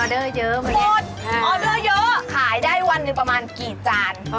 ออเดอร์เยอะขายได้วันประมาณกี่จานก่อน